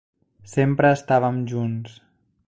Sempre estàvem junts.